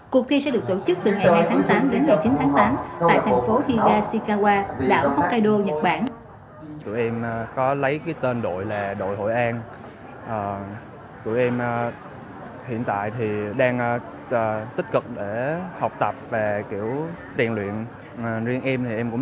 cuộc thi sẽ được tổ chức từ ngày hai tháng tám đến ngày chín tháng tám